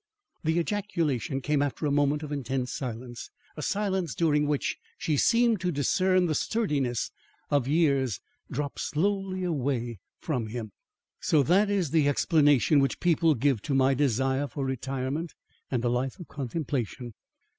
The ejaculation came after a moment of intense silence a silence during which she seemed to discern the sturdiness of years drop slowly away from him. "So that is the explanation which people give to my desire for retirement and a life of contemplation.